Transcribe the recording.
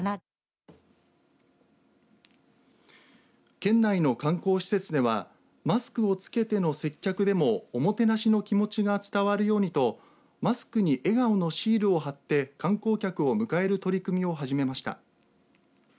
県内の観光施設ではマスクをつけての接客でもおもてなしの気持ちが伝わるようにとマスクに笑顔のシールを貼って観光客を迎える取り組みを始めました。